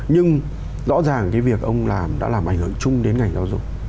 nhưng rõ ràng cái việc ông làm đã làm ảnh hưởng chung đến ngành giáo dục